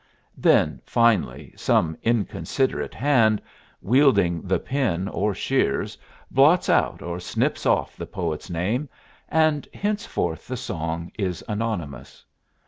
"Then, finally, some inconsiderate hand, wielding the pen or shears, blots out or snips off the poet's name, and henceforth the song is anonymous.